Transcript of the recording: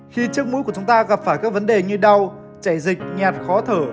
khi chiếc mũi của chúng ta gặp phải các vấn đề như đau chảy dịch nhạt khó thở